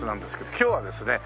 今日はですね